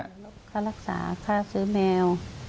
ค่ารักษาค่าซื้อแมว